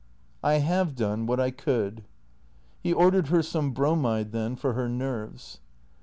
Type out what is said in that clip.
" I have done what I could." He ordered her some bromide then, for her nerves.